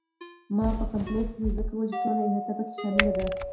ما کمپلکس ځکه وویل چې ټوله احاطه په کې شامله ده.